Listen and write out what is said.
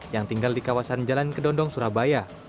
yang tinggal di kawasan jalan kedondong surabaya